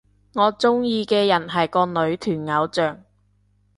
我鍾意嘅人係個女團偶像